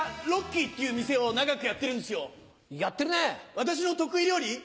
私の得意料理？